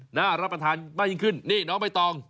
น่ารับประทานมากยิ่งขึ้นนี่น้องใบตอง